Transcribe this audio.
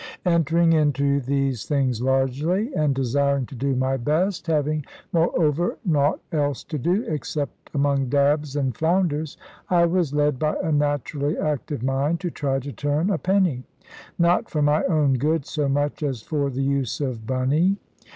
Entering into these things largely, and desiring to do my best, having, moreover, nought else to do except among dabs and flounders, I was led by a naturally active mind to try to turn a penny; not for my own good so much as for the use of Bunny.